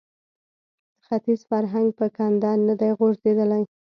ختیز فرهنګ په کنده نه دی غورځېدلی